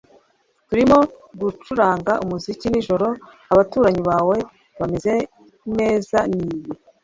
Turimo gucuranga umuziki nijoro Abaturanyi bawe bameze neza nibi